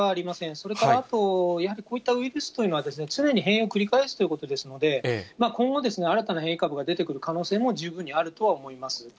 それからあと、やはりこういったウイルスというのは、常に変異を繰り返すということですので、今後、新たな変異株が出てくる可能性も十分にあるとは思います。